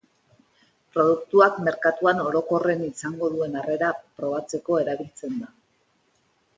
Produktuak merkatuan orokorren izango duen harrera probatzeko erabiltzen da.